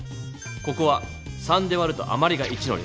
ここは３で割るとあまりが１の列。